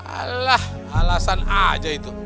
alah alasan aja itu